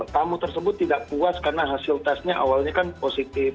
tamu tersebut tidak puas karena hasil tesnya awalnya kan positif